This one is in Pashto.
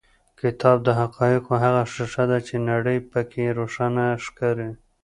کتاب د حقایقو هغه ښیښه ده چې نړۍ په کې روښانه ښکاري.